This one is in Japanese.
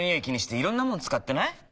気にしていろんなもの使ってない？